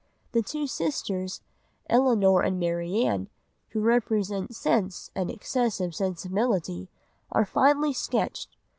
The two sisters, Elinor and Marianne, who represent Sense and excessive Sensibility, are finely sketched.